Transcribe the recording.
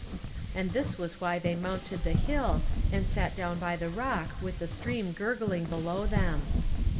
And this was why they mounted the hill, and sat down by the rock with the stream gurgling below them.